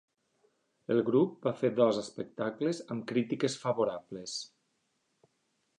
El grup va fer dos espectacles amb crítiques favorables.